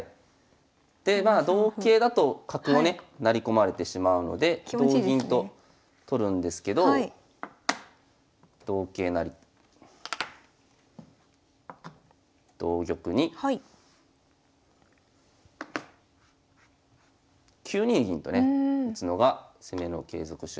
でまあ同桂だと角をね成り込まれてしまうので同銀と取るんですけど同桂成同玉に９二銀とね打つのが攻めの継続手で。